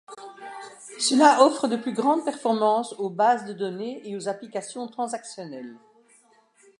Cela offre de plus grandes performances aux bases de données et aux applications transactionnelles.